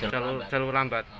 jalur kiri jalur lambat